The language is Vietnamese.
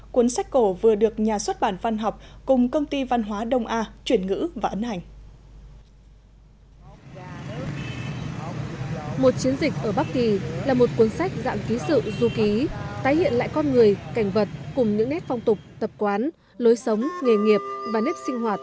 cuốn sách cổ vừa được nhà xuất bản văn học cùng công ty văn hóa đông a chuyển ngữ và ấn hành